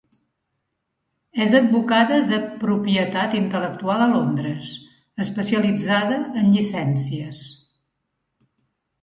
És advocada de propietat intel·lectual a Londres, especialitzada en llicències.